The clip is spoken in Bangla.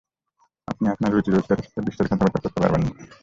আপনি আপনার রুটি রোজগারের সাথে বিশ্বাসঘাতকতা করতে পারবেন না।